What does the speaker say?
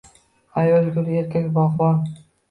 Ayol-gul. Erkak-bog’bon.